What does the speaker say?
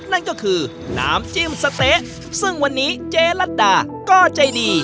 นั่นก็คือน้ำจิ้มสะเต๊ะซึ่งวันนี้เจ๊รัฐดาก็ใจดี